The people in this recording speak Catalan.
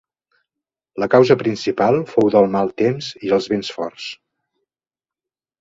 La causa principal fou del mal temps i els vents forts.